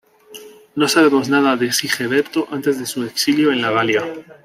No sabemos nada de Sigeberto antes de su exilio en la Galia.